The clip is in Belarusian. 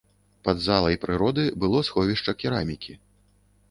Пад залай прыроды было сховішча керамікі.